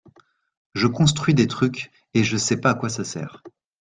Je construis des trucs et je sais pas à quoi ça sert.